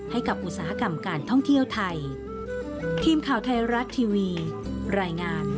อุตสาหกรรมการท่องเที่ยวไทย